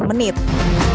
jadi kita mulai